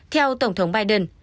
theo tổng thống biden